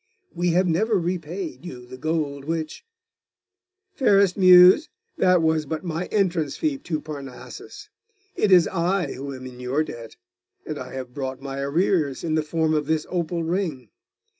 We have never repaid you the gold which ' 'Fairest Muse, that was but my entrance fee to Parnassus. It is I who am in your debt; and I have brought my arrears, in the form of this opal ring.